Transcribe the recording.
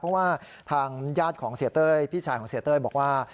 เพราะว่าทางญาติของเสียเต้ยพี่ชายของเสียเต้ยบอกว่า